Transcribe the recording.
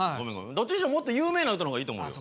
どっちにしろもっと有名な歌の方がいいと思うよ。